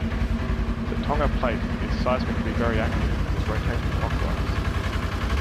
The Tonga plate is seismically very active and is rotating clockwise.